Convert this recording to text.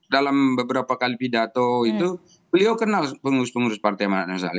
dalam beberapa kali pidato itu beliau kenal pengurus pengurus partai mana saja